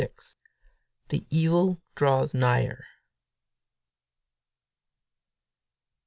THE EVIL DRAWS NIGHER.